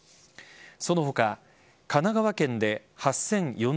その他、神奈川県で８０４０人